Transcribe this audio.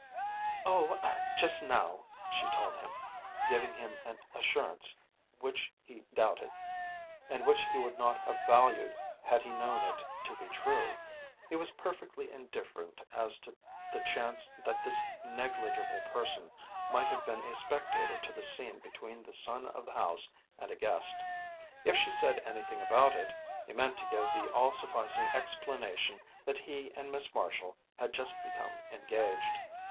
"Oh, just now," she told him, giving him an assurance which he doubted, and which he would not have valued had he known it to be true. He was perfectly indifferent as to the chance that this negligible person might have been a spectator to the scene between the son of the house and a guest. If she said anything about it, he meant to give the all sufficing explanation that he and Miss Marshall had just become engaged.